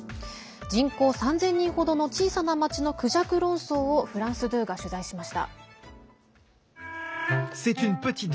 人口３０００人程の小さな町のクジャク論争をフランス２が取材しました。